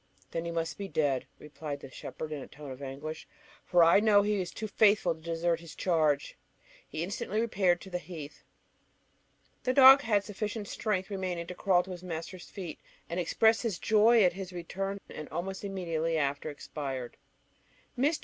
"Then he must be dead," replied the shepherd in a tone of anguish, "for I know he was too faithful to desert his charge." He instantly repaired to the heath. The dog had sufficient strength remaining to crawl to his master's feet, and express his joy at his return, and almost immediately after expired. Mr.